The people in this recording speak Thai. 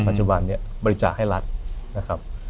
ปัจจุบันเนี่ยบริจาคให้รัฐนะครับ